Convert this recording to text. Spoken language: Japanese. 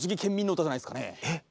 えっ？